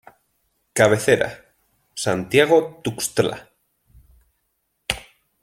Cabecera: Santiago Tuxtla.